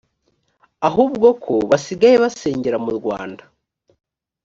ahubwo ko basigaye basengera mu rwanda